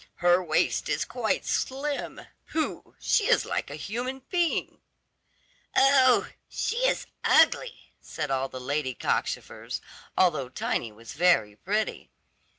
"Her waist is quite slim. Pooh! she is like a human being." "Oh! she is ugly," said all the lady cockchafers, although Tiny was very pretty.